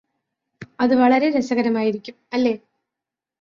അത് വളരെ രസകരമായിരിക്കും അല്ലേ